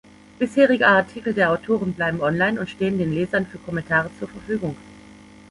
Bisherige Artikel der Autoren bleiben online und stehen den Lesern für Kommentare zur Verfügung.